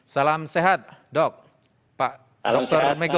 salam sehat dok pak dr mego